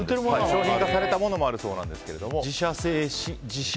商品化されたものもあるそうなんですけど。